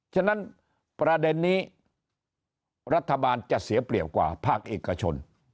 ฉะนั้นประเด็นนี้รัฐบาลจะเสียเปรียบกว่าภาคเอกชน